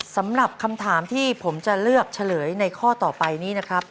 สำหรับคำถามที่ผมจะเลือกเฉลยในข้อต่อไปนี้นะครับ